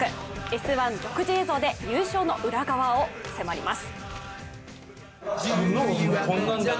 「Ｓ☆１」独自映像で優勝の裏側を迫ります。